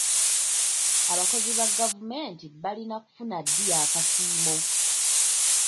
Abakozi ba gavumenti balina kufuna ddi akasiimo?